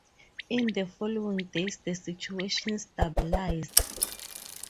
In the following days the situation stabilized.